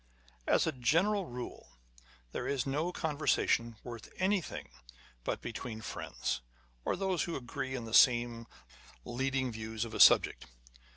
As a general rule, there is no conversation worth anything but between friends, or those who agree in the same leading views of a subject.